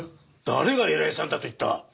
誰が偉いさんだと言った！